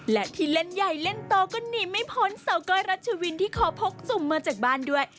และที่เล่นใหญ่เล่นโตก็หนีไม่พ้นสาวก้อยรัชวินที่ขอพกสุ่มมาจากบ้านด้วย